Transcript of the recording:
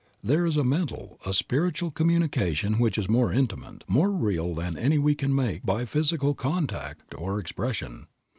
There is a mental, a spiritual communication which is more intimate, more real than any we can make by physical contact or expression.